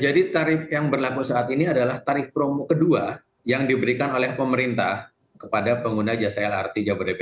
jadi tarif yang berlaku saat ini adalah tarif promo kedua yang diberikan oleh pemerintah kepada pengguna jasa lrt